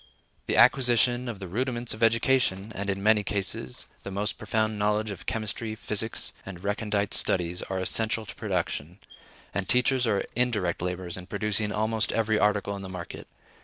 The acquisition of the rudiments of education, and, in many cases, the most profound knowledge of chemistry, physics and recondite studies, are essential to production; and teachers are indirect laborers in producing almost every article in the market.